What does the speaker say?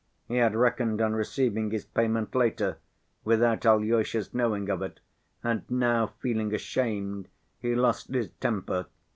He had reckoned on receiving his payment later, without Alyosha's knowing of it, and now, feeling ashamed, he lost his temper.